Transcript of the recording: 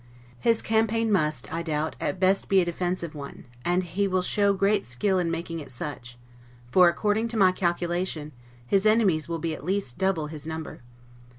His campaign must, I doubt, at best be a defensive one; and he will show great skill in making it such; for according to my calculation, his enemies will be at least double his number.